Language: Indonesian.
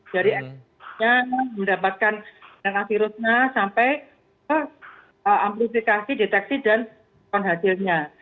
jadi yang mendapatkan renavirusnya sampai amplifikasi deteksi dan konfirmasinya